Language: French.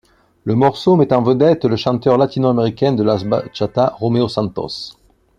Le morceau met en vedette le chanteur latino américain de la bachata Romeo Santos.